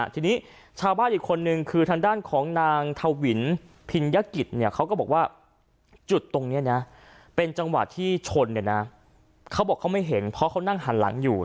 ทีนี้ชาวบ้านอีกคนนึงคือทางด้านของนางทวินพิญกิจเนี่ยเขาก็บอกว่าจุดตรงนี้นะเป็นจังหวะที่ชนเนี่ยนะเขาบอกเขาไม่เห็นเพราะเขานั่งหันหลังอยู่